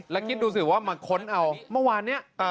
แล้วคิดดูสิว่ามาค้นเอาเมื่อวานนี้